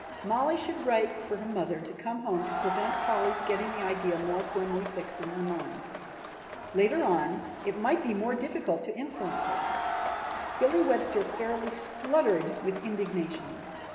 Mollie should write for her mother to come home to prevent Polly's getting the idea more firmly fixed in her mind. Later on it might be more difficult to influence her. Billy Webster fairly spluttered with indignation.